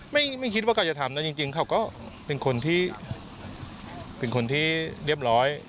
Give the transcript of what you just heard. ไม่คิดว่ากล้าจะทำแต่จริงก็เป็นคนที่เรียบร้อย